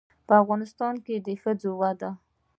په افغانستان کې د ښځو د ودې